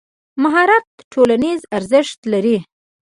مهارت ټولنیز ارزښت لري.